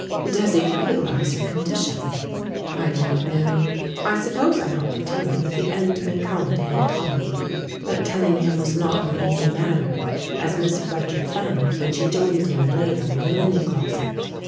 "Does he realize her condition?" "I don't know. I suppose I ought to tell him that the end may come at any time." But telling him was not an easy matter as Miss Fletcher found when she joined him later in the linen closet.